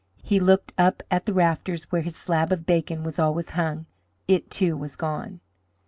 He looked up at the rafter where his slab of bacon was always hung. It, too, was gone.